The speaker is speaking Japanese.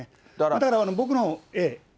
だから、僕の。